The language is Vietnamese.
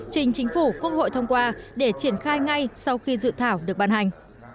trình chính phủ quốc hội thông qua để triển khai ngay sau khi dự thảo được ban hành